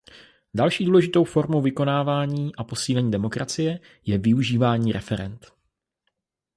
Další důležitou formou vykonávání a posílení demokracie je využívání referend.